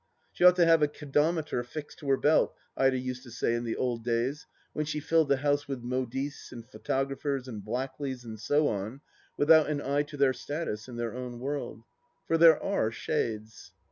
She ought to have a cado meter fixed to her belt, Ida used to say in the old days, when she filled the house with modistes and photographers and Blackleys and so on, without an eye to their status in their own world. For there are shades.